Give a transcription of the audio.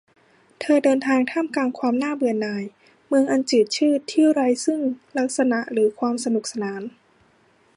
เธอเดินทางท่ามกลางความน่าเบื่อหน่าย เมืองอันจืดชืดที่ไร้ซึ่งลักษณะหรือความสนุกสนาน